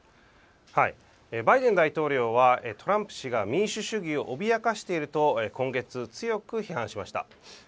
バイデン大統領はトランプ氏が民主主義を脅かしていると今月、強く批判しました。